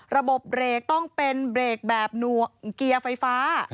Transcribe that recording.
ระบบเบรกต้องเป็นเบรกแบบเกียร์ไฟฟ้า